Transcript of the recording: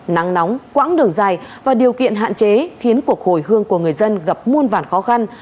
nắng nóng quãng đường dài và điều kiện hạn chế khiến cuộc hồi hương của người dân gặp muôn vản khó khăn